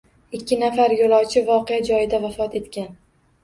Ikki nafar yo‘lovchi voqea joyida vafot etgan